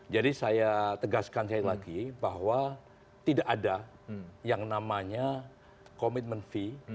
jadi saya tegaskan sekali lagi bahwa tidak ada yang namanya komitmen fee